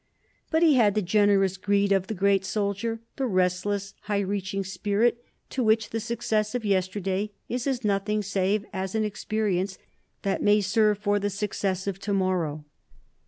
But he had the generous greed of the great soldier, the restless, high reaching spirit, to which the success of yesterday is as nothing save as an experience that may serve for the success of to morrow.